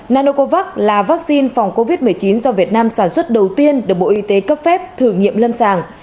nanocovax là vaccine phòng covid một mươi chín do việt nam sản xuất đầu tiên được bộ y tế cấp phép thử nghiệm lâm sàng